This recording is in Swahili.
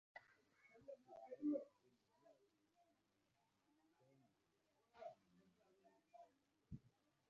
Kiongozi wa kundi hilo Sultani Makenga anaaminika